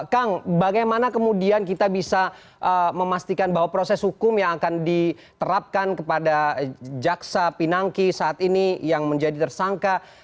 kang bagaimana kemudian kita bisa memastikan bahwa proses hukum yang akan diterapkan kepada jaksa pinangki saat ini yang menjadi tersangka